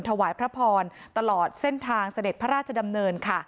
ถวายพระพรตลอดเส้นทางเสด็จพระราชดำเนินค่ะ